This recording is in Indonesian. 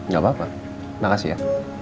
gak apa apa makasih ya